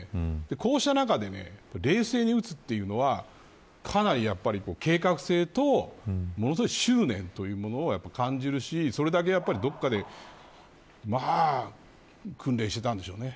こうした中で冷静に撃つというのはかなり計画性とものすごい執念というものを感じるしそれだけやはり、どこかで訓練していたんでしょうね。